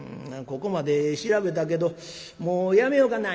「ここまで調べたけどもうやめよか」。